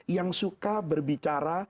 yang suka berbicara